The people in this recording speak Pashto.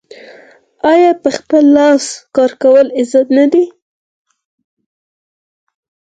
آیا په خپل لاس کار کول عزت نه دی؟